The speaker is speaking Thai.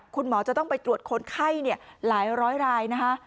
คุณหมอจะต้องไปตรวจคนไข้หลายร้อยรายนะคะ